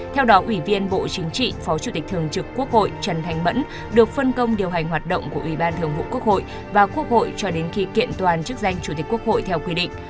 theo đó ủy viên bộ chính trị phó chủ tịch thường trực quốc hội trần thanh mẫn được phân công điều hành hoạt động của ủy ban thường vụ quốc hội và quốc hội cho đến khi kiện toàn chức danh chủ tịch quốc hội theo quy định